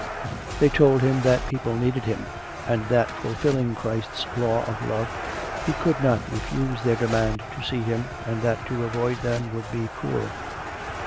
They told him that people needed him, and that fulfilling Christ's law of love he could not refuse their demand to see him, and that to avoid them would be cruel.